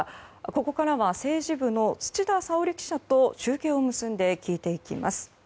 ここからは政治部の土田沙織記者と中継を結んで聞いていきます。